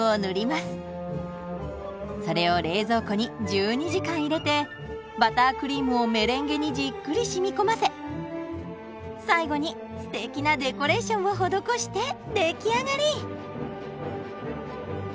それを冷蔵庫に１２時間入れてバタークリームをメレンゲにじっくりしみこませ最後にすてきなデコレーションを施して出来上がり。